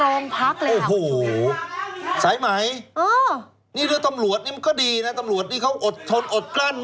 เออเออเออ